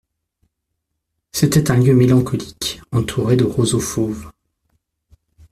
C'était un lieu mélancolique entouré de roseaux fauves.